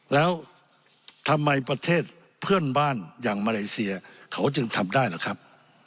แล้วทำไมประเทศเพื่อนบ้านอย่างมาเลเซียเขาจึงทำได้ล่ะครับ